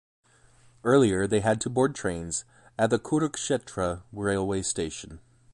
Earlier they had to board trains at the Kurukshetra railway station.